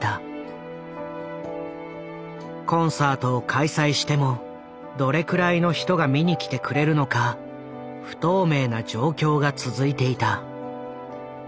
コンサートを開催してもどれくらいの人が見に来てくれるのか不透明な状況が続いていた。